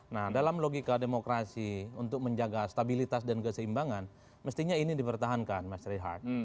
nah dalam logika demokrasi untuk menjaga stabilitas dan keseimbangan mestinya ini dipertahankan mas rehat